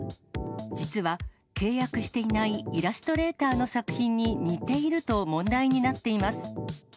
実は、契約していないイラストレーターの作品に似ていると問題になっています。